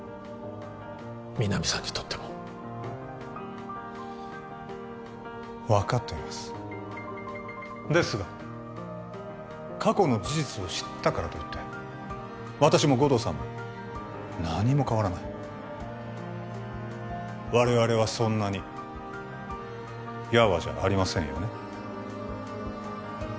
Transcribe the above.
皆実さんにとっても分かっていますですが過去の事実を知ったからといって私も護道さんも何も変わらない我々はそんなにやわじゃありませんよね